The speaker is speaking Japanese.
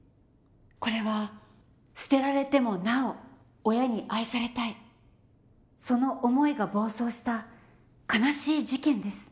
これは捨てられてもなお親に愛されたいその思いが暴走した悲しい事件です。